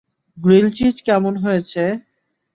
Grilled cheese কেমন হয়েছে?